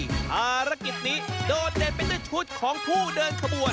ภารกิจนี้โดดเด่นไปด้วยชุดของผู้เดินขบวน